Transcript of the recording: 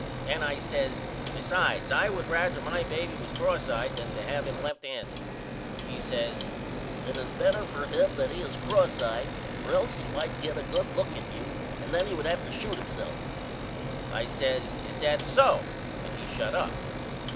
Then I says Besides I would rather my baby was X eyed then to have him left handed. He says It is better for him that he is X eyed or else he might get a good look at you and then he would shoot himself I says Is that so? and he shut up.